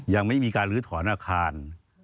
ยังไม่มีการลื้อถอนอาคาร